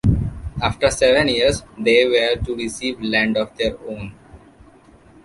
After seven years, they were to receive land of their own.